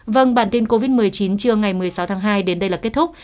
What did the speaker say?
vâng bản tin covid một mươi chín trưa ngày một mươi sáu tháng hai đến đây là kết thúc